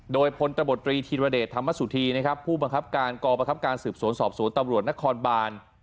โดยพลตบตรีธีรเดชธรรมสุธีนะครับผู้บังคับการกองประคับการสืบสวนสอบสวนตำรวจนครบาน